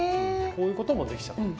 こういうこともできちゃう。